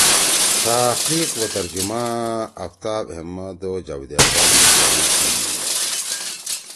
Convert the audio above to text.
تحقیق و ترجمہ: آفتاب احمد، جاوید اقبال توروالی